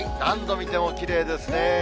何度見てもきれいですね。